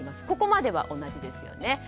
ここまでは同じですよね。